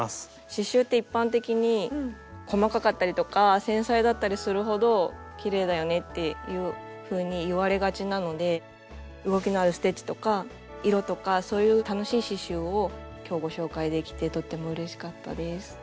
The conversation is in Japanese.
刺しゅうって一般的に細かかったりとか繊細だったりするほどきれいだよねっていうふうに言われがちなので動きのあるステッチとか色とかそういう楽しい刺しゅうを今日ご紹介できてとってもうれしかったです。